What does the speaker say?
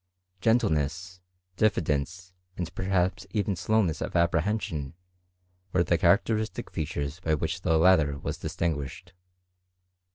Gentleness, dijffidence, and perhaps even slowness of apprehension, were the characteristic features by which the latter was distinguished.